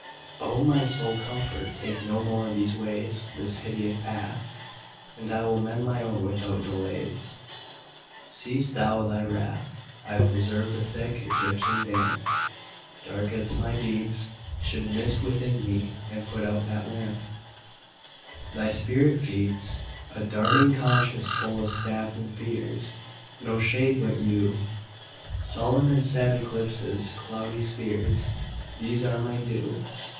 O my sole Comfort, take no more these ways, This hideous path, And I will mend my own without delays : Cease Thou Thy wrath ! I have deserv'd a thick, Egyptian damp, —Dark as my deeds— Should mist within me, and put out that lamp Thy Spirit feeds ; A darting conscience full of stabs, and fears ; No shade but yew, Sullen, and sad eclipses, cloudy spheres, These are my due.